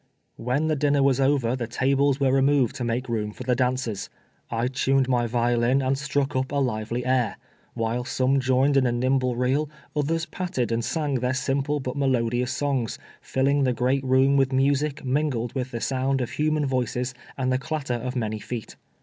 When the dinner was over the tables were remov ed to make room for the dancers. I tuned my violin and struck up a lively air ; while some joined in a nimble reel, others patted and sang their simple but melodious songs, filling the great room with music mingled with the sound of human voices and the clat ter of many feet.